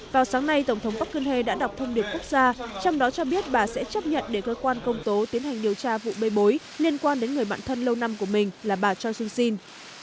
vào sáng nay tổng thống park geun hye đã đọc thông điệp quốc gia trong đó cho biết bà sẽ chấp nhận để cơ quan công tố tiến hành điều tra vụ bê bối liên quan đến người bạn thân lâu năm của mình là bà choi soon sin